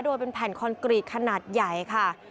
โดยเป็นแผ่นคอนกรีตขนาดใหญ่ค่ะ